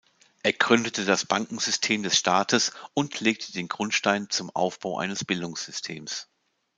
Er gründete das Bankensystem des Staates und legte den Grundstein zum Aufbau eines Bildungssystems.